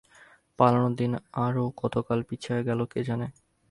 পালানোর দিন আরও কতকাল পিছাইয়া গেল কে জানে।